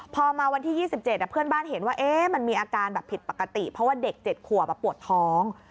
พอมาวันที่๒๗เพื่อนบ้านเห็นว่ามันมีอาการแบบผิดปกติเพราะว่าเด็ก๗ขวบปวดท้อง